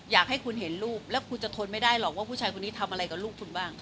อยากให้คุณเห็นรูปแล้วคุณจะทนไม่ได้หรอกว่าผู้ชายคนนี้ทำอะไรกับลูกคุณบ้าง